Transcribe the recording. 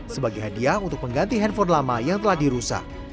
sebagai hadiah untuk mengganti handphone lama yang telah dirusak